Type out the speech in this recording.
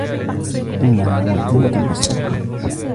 انها مذنبه بالسرقه.